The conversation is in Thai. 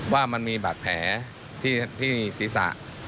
ว่ามันมีบาดแผลที่ศีรษะ